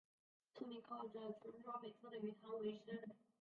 村民靠着村庄北侧的鱼塘维生。